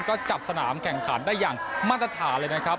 ก็จัดสนามแข่งขันได้อย่างมาตรฐานเลยนะครับ